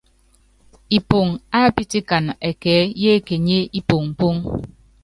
Ipoŋo ápítikana ɛkɛɛ́ yékenyié ipoŋpoŋ.